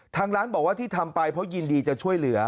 ทางร้านบอกว่าที่ทำไปเพราะยินดีจะช่วยเหลือ